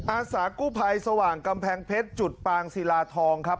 อาสากู้ภัยสว่างกำแพงเพชรจุดปางศิลาทองครับ